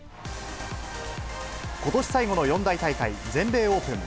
ことし最後の四大大会、全米オープン。